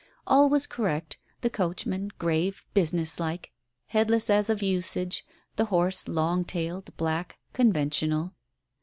All was correct, the coachman, grave, business like, headless as of usage, the horses long tailed, black, conventional.